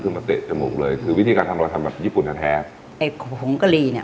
คือมาเตะจมูกเลยคือวิธีการทำเราทำแบบญี่ปุ่นแท้แท้ไอ้ผงกะหรี่เนี้ย